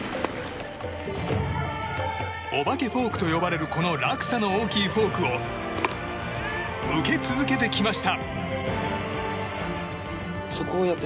お化けフォークと呼ばれるこの落差の大きいフォークを受け続けてきました。